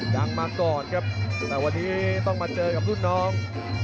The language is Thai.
มาก่อนครับแต่วันนี้ต้องมาเจอกับรุ่นน้อง